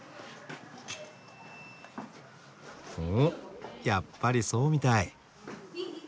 おやっぱりそうみたい。